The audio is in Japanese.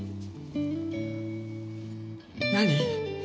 何？